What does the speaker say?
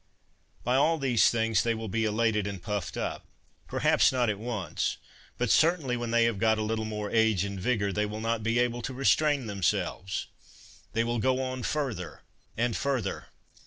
By all these things they will be elated and puffed up, perhaps not at once, but certainly when they have got a little more age and vigor they will not be able to restrain them selves; they will go on further and further.